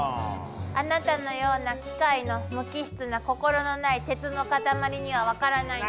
あなたのような機械の無機質な心のない鉄の塊には分からないのよ。